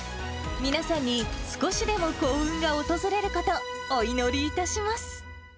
皆さんに少しでも幸運が訪れること、お祈りいたします。